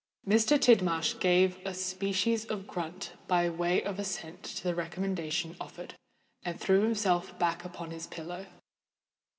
Mr. Tidmarsh gave a species of grunt by way of assent to the recommendation offered, and threw himself back upon his pillow.